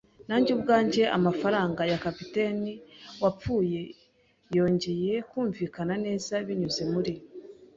Nanjye ubwanjye amafaranga ya capitaine wapfuye yongeye kumvikana neza binyuze muri